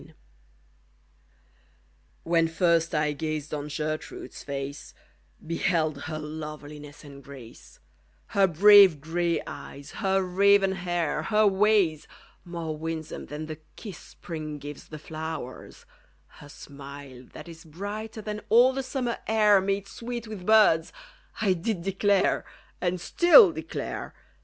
_ When first I gazed on GERTRUDE'S face, Beheld her loveliness and grace; Her brave gray eyes, her raven hair, Her ways, more winsome than the kiss Spring gives the flowers; her smile, that is Brighter than all the summer air Made sweet with birds: I did declare, And still declare!